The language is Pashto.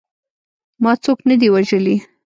ما څوک نه دي وژلي.